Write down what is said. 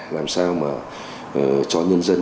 làm sao mà cho nhân dân